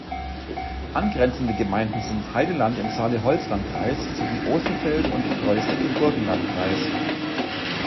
Angrenzende Gemeinden sind Heideland im Saale-Holzland-Kreis sowie Osterfeld und Droyßig im Burgenlandkreis.